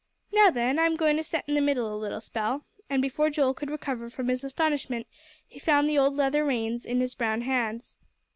"Now, then, I'm goin' to set in the middle a little spell," and before Joel could recover from his astonishment, he found the old leather reins in his brown hands.